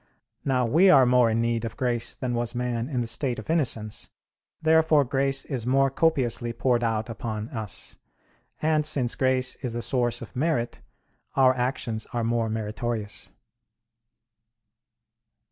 Now we are more in need of grace than was man in the state of innocence. Therefore grace is more copiously poured out upon us; and since grace is the source of merit, our actions are more meritorious.